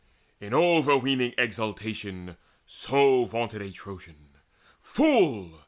In overweening exultation so Vaunted a Trojan. Fool!